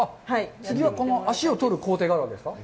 次は、この脚を取る工程があるわけですか？